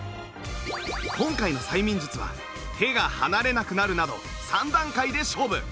今回の催眠術は手が離れなくなるなど３段階で勝負